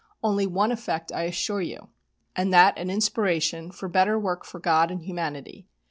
Only one effect, I assure you, and that an inspiration for better work for God and humanity.